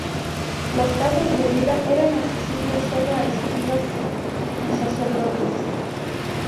Las Casas de Vida eran accesibles sólo a escribas y sacerdotes.